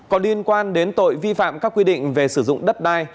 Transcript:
có liên quan đến tội vi phạm các quy định về sử dụng đất đai